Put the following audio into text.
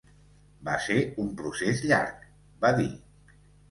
"Va ser un procés llarg", va dir.